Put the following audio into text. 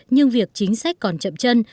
nhưng việc chính sách còn chậm chân